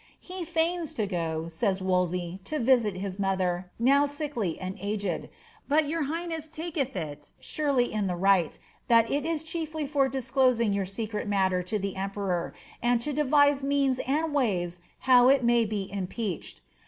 ^ He feigns to go,'' says Wolsey, ^^ to visit his mother, now sickly and aged ; but your highness taketh it surely in the right, that it is chiefly for disclosing your secret matter' to the emperor, and to devise means and ways how it may be impeached.